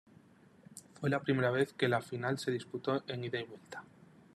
Fue la primera vez que la final se disputó en ida y vuelta.